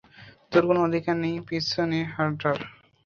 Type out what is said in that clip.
তোর কোন অধিকার নাই পিছনে হাটার।